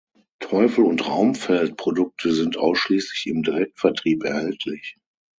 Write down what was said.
Teufel- und Raumfeld-Produkte sind ausschließlich im Direktvertrieb erhältlich.